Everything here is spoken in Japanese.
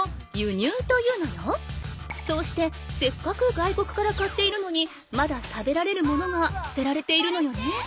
そうしてせっかく外国から買っているのにまだ食べられる物がすてられているのよね。